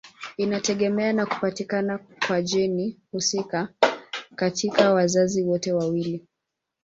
Inategemea na kupatikana kwa jeni husika katika wazazi wote wawili.